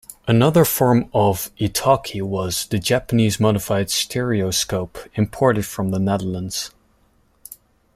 Another form of "etoki" was the Japanese modified stereoscope imported from the Netherlands.